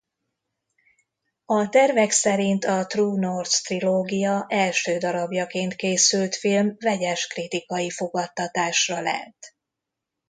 A tervek szerint a True North-trilógia első darabjaként készült film vegyes kritikai fogadtatásra lelt.